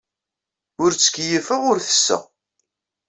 Ur ttkeyyifeɣ, ur ttesseɣ.